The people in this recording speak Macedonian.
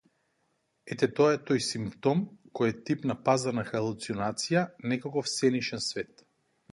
Ете тоа е тој симптом кој е тип на пазарна халуцинација, некаков сенишен свет.